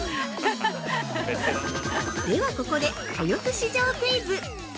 ◆ではここで、豊洲市場クイズ！